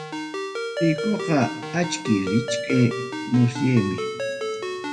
Rikuqa achkiy, rikcha musyaymi.